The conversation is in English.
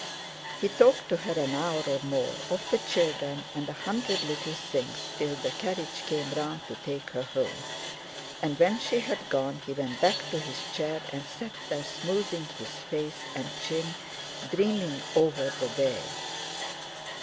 He talked to her an hour or more, of the children, and a hundred little things, till the carriage came round to take her home. And when she had gone he went back to his chair, and sat there smoothing his face and chin, dreaming over the day.